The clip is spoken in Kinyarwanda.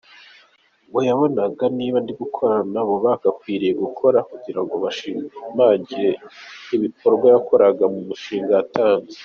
Ngo yabonaga ‘niba ndigukora nabo bagakwiye gukora’ kugirango bashimangira ibikorwa yakoraga mu mushinga yatanze.